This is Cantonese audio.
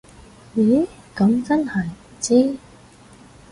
咦噉真係唔知